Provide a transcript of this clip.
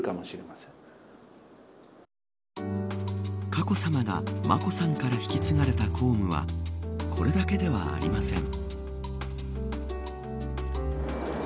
佳子さまが、眞子さんから引き継がれた公務はこれだけではありません。